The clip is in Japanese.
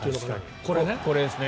これですね。